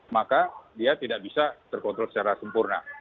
maka dia tidak bisa terkontrol secara sempurna